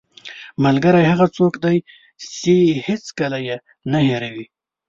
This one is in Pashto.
ملګری هغه څوک دی چې هېڅکله یې نه هېروې